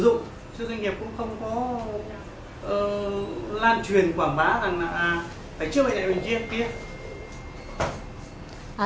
doanh nghiệp cũng không có lan truyền quảng bá rằng là phải trước hay lại bên kia bên kia